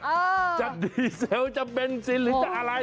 จะดีเซลจะเบนซินหรือจะอะไร